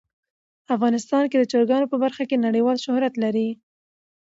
افغانستان د چرګانو په برخه کې نړیوال شهرت لري.